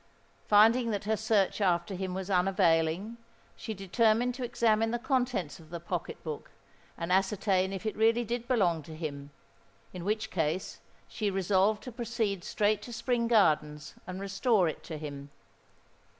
Finding that her search after him was unavailing, she determined to examine the contents of the pocket book, and ascertain if it really did belong to him; in which case, she resolved to proceed straight to Spring Gardens, and restore it to him.